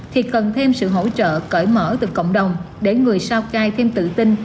thì cần thêm sự hỗ trợ cởi mở từ cộng đồng để người sao cai thêm tự tin